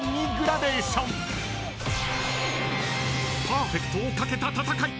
［パーフェクトをかけた戦い］